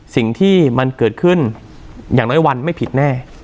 สิ่งที่มันเกิดขึ้นอย่างน้อยวันไม่ผิดแน่